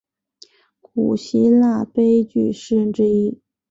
古希腊悲剧诗人之一。